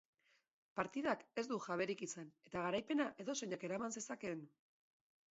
Partidak ez du jaberik izan eta garaipena edozeinek eraman zezakeen.